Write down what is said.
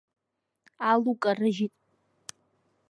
Алу карыжьит.